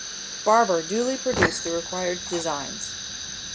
Barber duly produced the required designs.